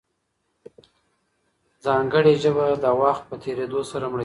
ځانګړې ژبه د وخت په تېرېدو سره مړه کېږي.